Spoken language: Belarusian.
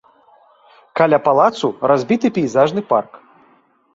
Каля палацу разбіты пейзажны парк.